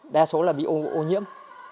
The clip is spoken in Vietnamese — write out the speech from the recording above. đa số là bị ô nhiễm